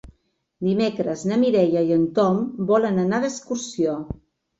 Dimecres na Mireia i en Tom volen anar d'excursió.